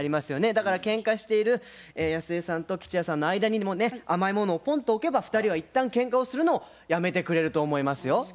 だからケンカしているやすえさんと吉弥さんの間にもね甘いものをポンと置けば２人は一旦ケンカをするのをやめてくれると思いますよ。